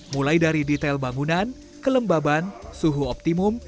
mulai dari detail bangunan kelembaban suhu optimum